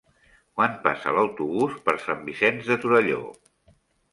Quan passa l'autobús per Sant Vicenç de Torelló?